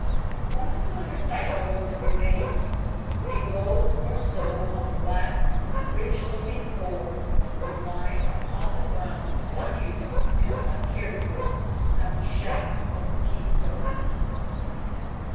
One familiar sight, however, remained. A load or so of black, rich looking ore was lying upon the ground unused and uncared for at the shaft of the Keystone.